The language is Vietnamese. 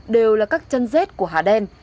đều là các chân rết của hà đen